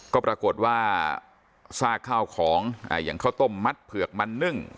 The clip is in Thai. ก็ปรากฏว่าซากข้าวของอย่างข้าวต้มมัดเผือกมันนึ่ง